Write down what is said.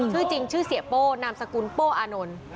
ชื่อจริงชื่อเสียโป้นามสกุลโป้อานนท์